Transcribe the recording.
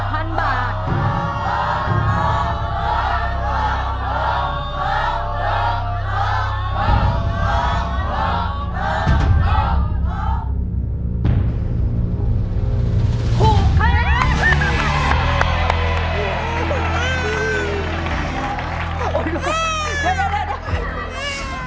ถูกข้อแรก